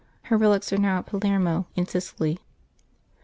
Her relics are now at Palermo in Sicily.